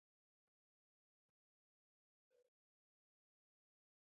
د هغوی لپاره یې ګډ ژوند کولو ته لار پرانېسته.